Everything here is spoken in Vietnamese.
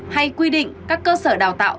hay quy định các cơ sở đào tạo